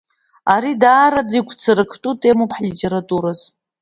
Ари даараӡа игәцарактәу темоуп ҳлитературазы.